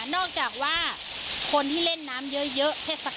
นอกจากว่าคนที่เล่นน้ำเยอะเทศกาล